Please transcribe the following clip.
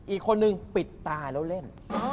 อีกคนนึงปิดตาแล้วเล่น